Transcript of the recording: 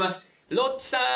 ロッチさん！